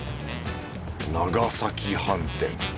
長崎飯店。